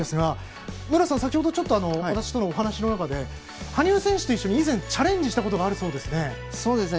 無良さん、先ほどお話の中で羽生選手と一緒に以前チャレンジしたことがあるそうですね。